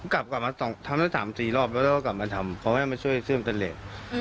กลับกลับมาสองทำแล้วสามสี่รอบแล้วก็กลับมาทำเพราะให้มาช่วยเชื่อมเต็มเหล็กอืม